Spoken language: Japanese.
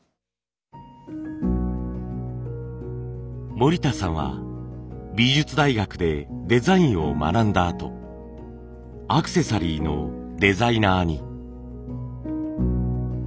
森田さんは美術大学でデザインを学んだあとアクセサリーのデザイナーに。